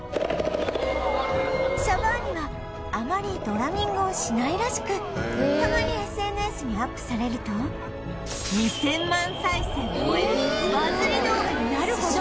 シャバーニはあまりドラミングをしないらしくたまに ＳＮＳ にアップされると２０００万再生を超えるバズり動画になるほど